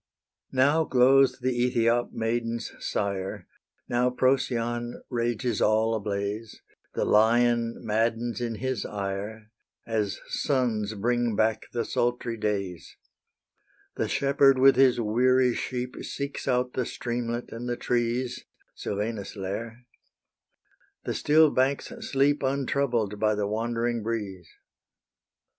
Now glows the Ethiop maiden's sire; Now Procyon rages all ablaze; The Lion maddens in his ire, As suns bring back the sultry days: The shepherd with his weary sheep Seeks out the streamlet and the trees, Silvanus' lair: the still banks sleep Untroubled by the wandering breeze.